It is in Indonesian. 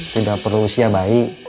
tidak perlu usia bayi